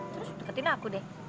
terus deketin aku deh